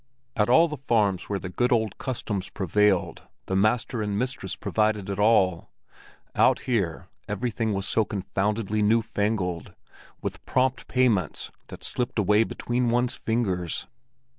At all the farms where the good old customs prevailed, the master and mistress provided it all; out here everything was so confoundedly new fangled, with prompt payments that slipped away between one's fingers.